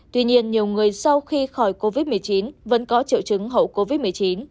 tuy nhiên nhiều người sau khi khỏi covid một mươi chín vẫn có triệu chứng hậu covid một mươi chín